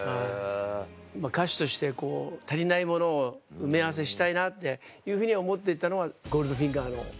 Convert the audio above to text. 歌手としてこう足りないものを埋め合わせしたいなっていうふうに思って行ったのが『ＧＯＬＤＦＩＮＧＥＲ』の。